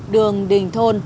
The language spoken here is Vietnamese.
đường đình thôn